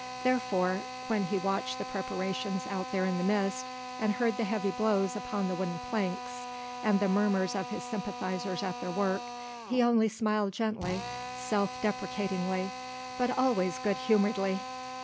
Therefore when he watched the preparations out there in the mist, and heard the heavy blows upon the wooden planks and the murmurs of his sympathizers at their work, he only smiled gently, self deprecatingly, but always good humouredly.